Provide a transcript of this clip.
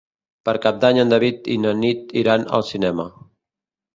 Per Cap d'Any en David i na Nit iran al cinema.